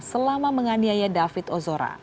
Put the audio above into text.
selama menganiaya david ozora